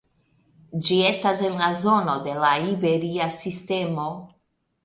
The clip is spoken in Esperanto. Ĝi estas en la zono de la Iberia Sistemo.